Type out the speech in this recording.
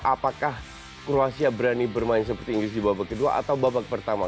apakah kroasia berani bermain seperti inggris di babak kedua atau babak pertama